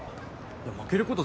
いや負けること